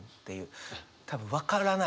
多分分からない世界。